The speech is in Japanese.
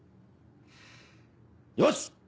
よし！